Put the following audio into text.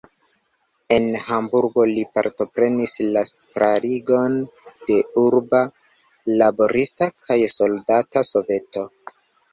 En Hamburgo li partoprenis la starigon de urba laborista kaj soldata soveto.